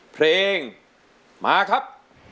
เพลงมาครับ